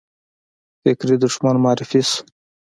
فکري دښمن معرفي شو